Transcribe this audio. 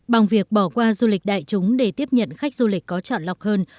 bằng việc bỏ qua du lịch đại chúng để tiếp nhận khách du lịch có chọn lọc hơn